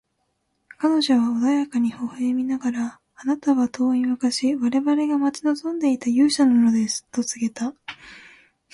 彼女は穏やかに微笑みながら、「あなたは遠い昔、我々が待ち望んでいた勇者なのです」と告げた。